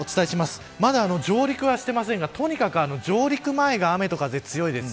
まだ上陸はしていませんが、とにかく上陸前が雨と風強いです。